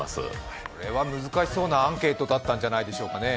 これは難しそうなアンケートだったんじゃないでしょうか。